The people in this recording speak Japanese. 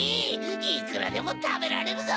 いくらでもたべられるぞ！